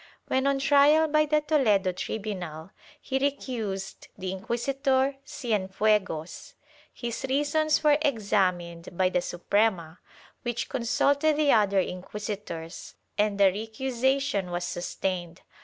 When on trial by the Toledo tribunal, he recused the Inquisitor Cienfuegos; his reasons were examined by the Suprema, which consulted the other inquisitors and the recusation was sustained.